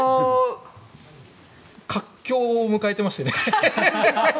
活況を迎えていましてね。